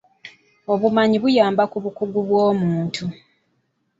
Obumanyi buyamba ku bukugu bw'omuntu.